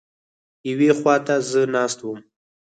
یوې خوا ته زه ناست وم.